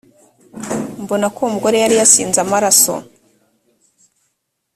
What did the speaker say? mbona ko uwo mugore yari yasinze amaraso